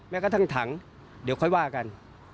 กระทั่งถังเดี๋ยวค่อยว่ากัน